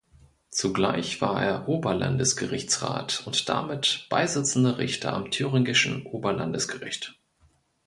Zugleich war er Oberlandesgerichtsrat und damit beisitzender Richter am Thüringischen Oberlandesgericht.